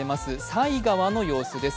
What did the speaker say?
犀川の様子です。